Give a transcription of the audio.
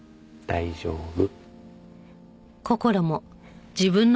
大丈夫。